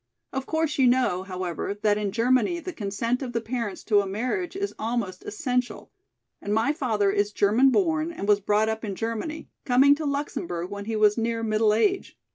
"Of course you know, however, that in Germany the consent of the parents to a marriage is almost essential, and my father is German born and was brought up in Germany, coming to Luxemburg when he was near middle age.